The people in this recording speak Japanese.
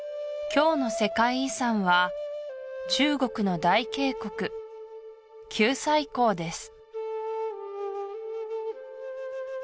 今日の世界遺産は中国の大渓谷九寨溝です